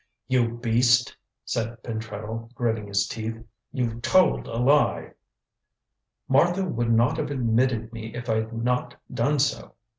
"You beast!" said Pentreddle, gritting his teeth. "You told a lie." "Martha would not have admitted me if I had not done so.